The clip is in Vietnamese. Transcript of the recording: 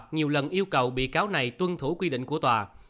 nhiều lần yêu cầu bị cáo này tuân thủ quy định của tòa